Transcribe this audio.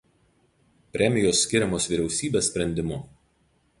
Premijos skiriamos Vyriausybės sprendimu.